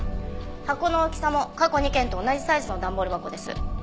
箱の大きさも過去２件と同じサイズの段ボール箱です。